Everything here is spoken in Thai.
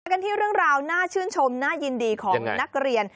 กันที่เรื่องราวน่าชื่นชมน่ายินดีของนักเรียน